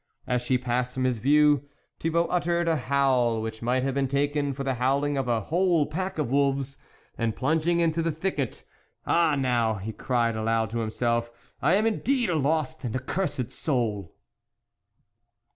As she passed from his view, Thibault uttered a howl, which might have been taken for the howling of a whole pack of wolves, and plunging into the thicket, " Ah ! now," he cried aloud to himself, " I am indeed a lost and accursed soul